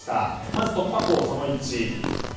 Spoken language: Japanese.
まず突破口その１。